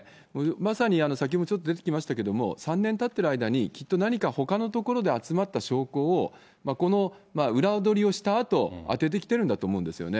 まさに先ほどもちょっと出てきましたけれども、３年たってる間に、きっと何かほかの所で集まった証拠をこの裏取りをしたあと、当ててきてるんだと思うんですよね。